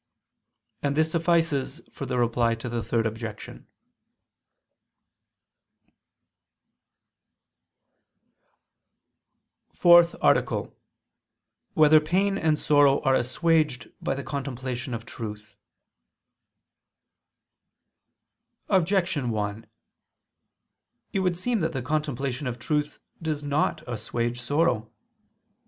And this suffices for the reply to the Third Objection. ________________________ FOURTH ARTICLE [I II, Q. 38, Art. 4] Whether Pain and Sorrow Are Assuaged by the Contemplation of Truth? Objection 1: It would seem that the contemplation of truth does not assuage sorrow.